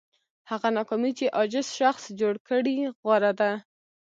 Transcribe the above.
هغه ناکامي چې عاجز شخص جوړ کړي غوره ده.